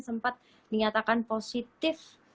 sempat dinyatakan positif